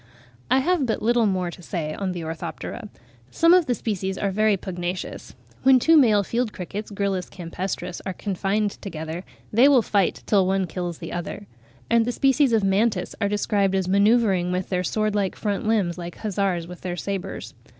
I have but little more to say on the Orthoptera. Some of the species are very pugnacious: when two male field crickets (Gryllus campestris) are confined together, they fight till one kills the other; and the species of Mantis are described as manoeuvring with their sword like front limbs, like hussars with their sabres.